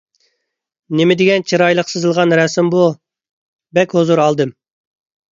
نېمىدېگەن چىرايلىق سىزىلغان رەسىم بۇ! بەك ھۇزۇر ئالدىم.